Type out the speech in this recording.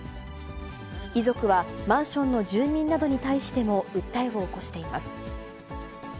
遺族は、マンションの住民などに対しても訴えを起こしています。